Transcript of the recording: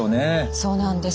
そうなんです。